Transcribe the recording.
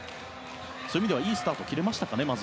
そういう意味ではいいスタートを切れましたかね。